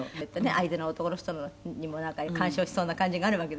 「相手の男の人にも干渉しそうな感じがあるわけでしょ？」